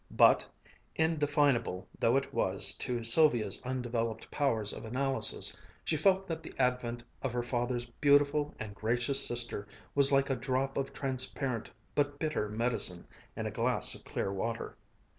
But, indefinable though it was to Sylvia's undeveloped powers of analysis, she felt that the advent of her father's beautiful and gracious sister was like a drop of transparent but bitter medicine in a glass of clear water.